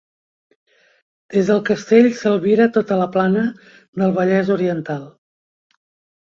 Des del castell s'albira tota la plana del Vallès Oriental.